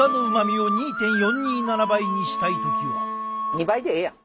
２倍でええやん。